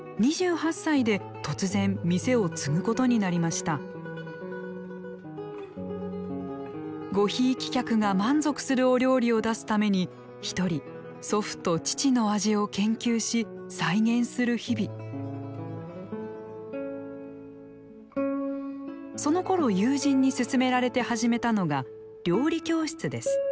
２８歳で突然店を継ぐことになりましたごひいき客が満足するお料理を出すために一人祖父と父の味を研究し再現する日々そのころ友人に勧められて始めたのが料理教室です